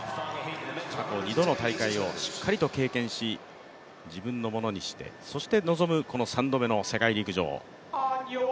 過去２度の大会をしっかりと経験し自分のものにして、そして臨む３度目の世界陸上。